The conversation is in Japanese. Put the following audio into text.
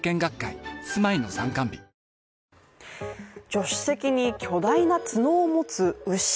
助手席に巨大な角を持つ牛。